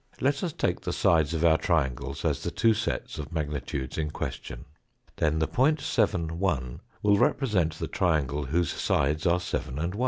Let us take the sides of our triangles as the two sets of magnitudes in question. Then the point 7, 1, will represent the triangle whose sides are 7 and 1.